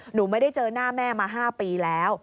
หนูไม่ได้เจอหน้าแม่มา๕ปีแล้ว